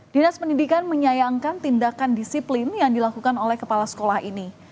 dinas pendidikan menyayangkan tindakan disiplin yang dilakukan oleh kepala sekolah ini